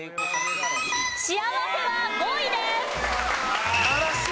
「幸」は５位です。